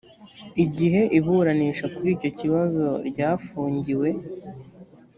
igihe iburanisha kuri icyo kibazo ryafungiwe